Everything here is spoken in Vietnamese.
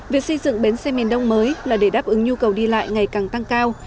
việc xây dựng bến xe miền đông mới là để đáp ứng nhu cầu đi lại ngày càng tăng cao